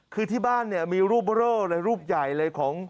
คือที่บ้านมีรูปเบอร์โร่รูปใหญ่เลย